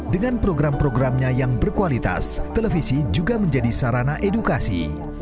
dengan program programnya yang berkualitas televisi juga menjadi sarana edukasi